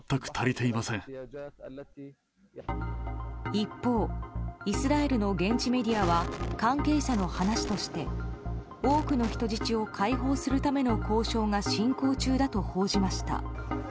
一方、イスラエルの現地メディアは関係者の話として多くの人質を解放するための交渉が進行中だと報じました。